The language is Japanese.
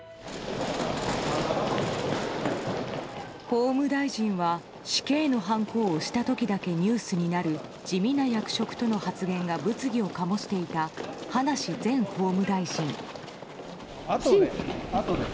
法務大臣は死刑のはんこを押した時だけニュースになる地味な役職との発言が物議を醸していた葉梨前法務大臣。